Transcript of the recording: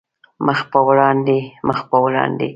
مخ په وړاندې، مخ په وړاندې